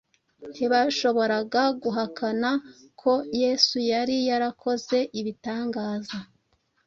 Ntibashoboraga guhakana ko Yesu yari yarakoze ibitangaza